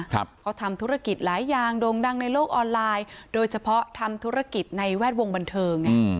เขาทำธุรกิจหลายอย่างโด่งดังในโลกออนไลน์โดยเฉพาะทำธุรกิจในแวดวงบันเทิงไงอืม